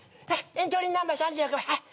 エントリーナンバー３６番はい。